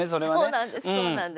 そうなんです。